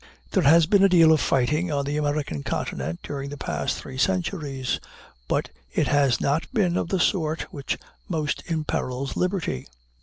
There has been a deal of fighting on the American continent during the past three centuries; but it has not been of the sort which most imperils liberty.